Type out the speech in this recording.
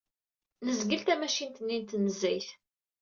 Nezgel tamacint-nni n tnezzayt.